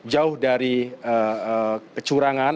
jauh dari kecurangan